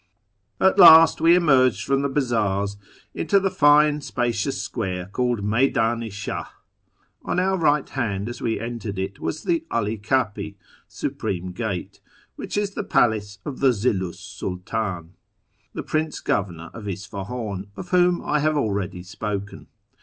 At last we emerged from the bazaars into the fine spacious square called Meyddn i Shdh. On our right hand as we entered it was the 'Ali Kdpi (Supreme Gate), which is the palace of the Zillu 's Sultan, the Prince Governor of Isfahan, of whom I have already spoken.